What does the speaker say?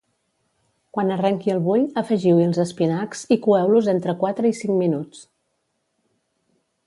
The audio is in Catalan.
Quan arrenqui el bull, afegiu-hi els espinacs i coeu-los entre quatre i cinc minuts.